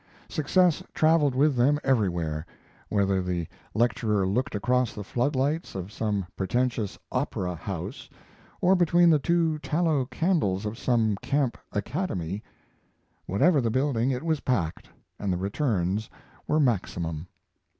Success traveled with them everywhere, whether the lecturer looked across the footlights of some pretentious "opera house" or between the two tallow candles of some camp "academy." Whatever the building, it was packed, and the returns were maximum.